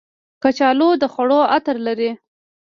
کچالو د خوړو عطر لري